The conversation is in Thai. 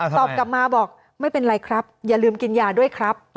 ตอบกลับมาบอกไม่เป็นไรครับอย่าลืมกินยาด้วยครับ